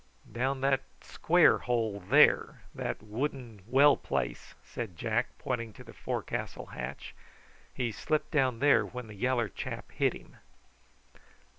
"Down that square hole there, that wooden well place," said Jack, pointing to the forecastle hatch. "He slipped down there when the yaller chap hit him."